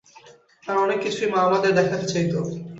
আর অনেককিছুই মা আমাদের দেখাতে চাইত।